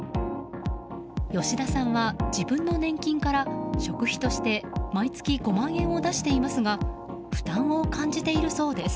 吉田さんは自分の年金から食費として毎月５万円を出していますが負担を感じているそうです。